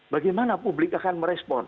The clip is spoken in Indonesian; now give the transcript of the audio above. bagaimana publik akan merespon